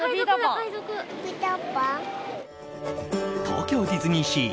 東京ディズニーシー